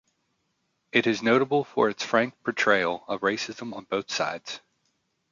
It is notable for its frank portrayal of racism on both sides.